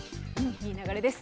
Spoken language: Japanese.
いい流れです。